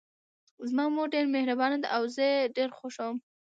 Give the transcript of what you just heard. زما مور ډیره مهربانه ده او زه یې ډېر خوښوم